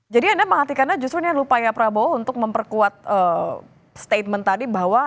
jadi anda mengatikannya justru ini lupanya prabowo untuk memperkuat statement tadi bahwa